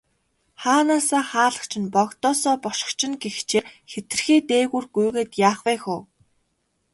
Хаанаасаа хаалгач нь, богдоосоо бошгоч нь гэгчээр хэтэрхий дээгүүр гүйгээд яах вэ хөө.